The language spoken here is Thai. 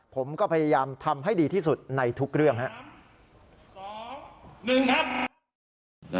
ผมก็พยายามทำให้ดีที่สุดในทุกเรื่องครับ